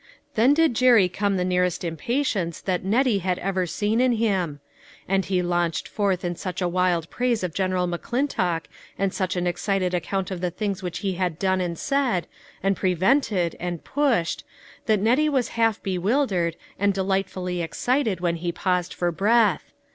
' Then did Jerry come the nearest impa tience that Nettie had ever seen in him ; and he launched forth in such a wild praise of General McClintock and such an excited account of the things which he had done and said, and pre 410 LITTLE FISHEKS : AND THEIE NETS. vented, and pushed, that Nettie was half be wildered and delightfully excited when he paused for breath.